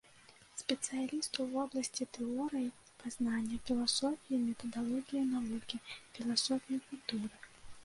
Спецыяліст у вобласці тэорыі пазнання, філасофіі і метадалогіі навукі, філасофіі культуры.